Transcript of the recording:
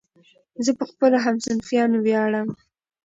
زه په خپلو همصنفیانو ویاړم.